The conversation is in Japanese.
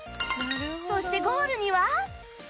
そしてゴールには